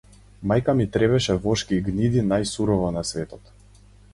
Мајка ми требеше вошки и гниди најсурово на светот.